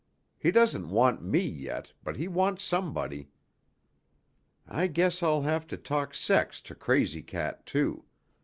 He doesn't want me yet, but he wants somebody...." "I guess I'll have to talk sex to Crazy Cat, too.